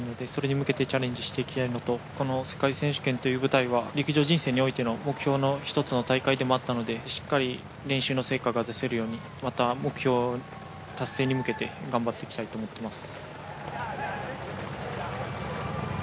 今大会の目標としては８位以上と自己新記録を目標にしているのでそれに向けてチャレンジしていきたいのと世界選手権という舞台は陸上人生においての目標の１つの大会でもあったのでしっかり練習の成果が出せるようにまた、目標達成に向けて頑張っていきたいと思います。